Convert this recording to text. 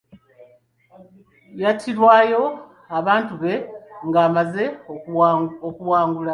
Yattirwayo abantu be ng'amaze okuwangula.